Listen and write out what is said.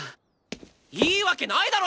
いいわけないだろ！